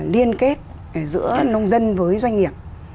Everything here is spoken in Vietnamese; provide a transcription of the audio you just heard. liên kết giữa nông dân với doanh nghiệp